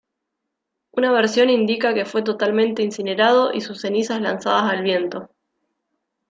Una versión indica que fue totalmente incinerado y sus cenizas lanzadas al viento.